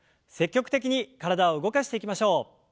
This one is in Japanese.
積極的に体を動かしていきましょう。